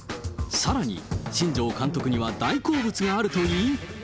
さらに新庄監督には大好物があるといい。